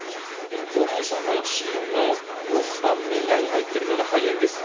高齢者の死因の４番目以内に入っているのが肺炎です。